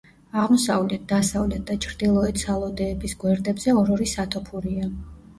აღმოსავლეთ, დასავლეთ და ჩრდილოეთ სალოდეების გვერდებზე ორ-ორი სათოფურია.